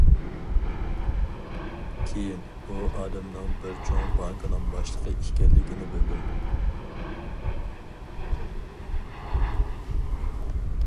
كېيىن ئۇ ئادەمنىڭ بىر چوڭ بانكىنىڭ باشلىقى ئىكەنلىكنى بىلدىم.